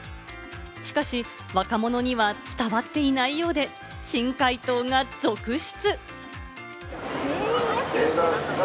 しかし若者には伝わっていないようで、珍回答が続出。